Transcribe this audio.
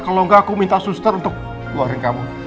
kalau gak aku minta suster untuk keluarin kamu